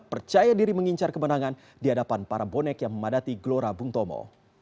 percaya diri mengincar kemenangan di hadapan para bonek yang memadati gelora bung tomo